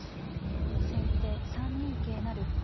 先手３二桂成。